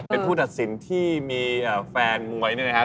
เป็นผู้ตัดสินที่มีแฟนมวยด้วยนะฮะ